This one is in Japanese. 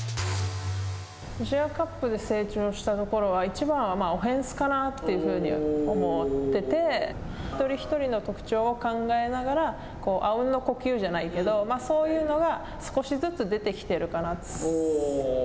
アジアカップで成長したところは、一番はオフェンスかなと思ってて一人一人の特徴を考えながら、あうんの呼吸じゃないけど、そういうのが、少しずつ出てきているかなと。